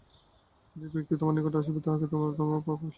যে ব্যক্তি তোমার নিকট আসিবে, তাহাকেই তোমার ধর্মভাব স্পর্শ করিবে।